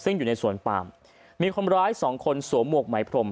ซึ่งอยู่ในสวนปามมีคนร้ายสองคนสวมหวกไหมพรม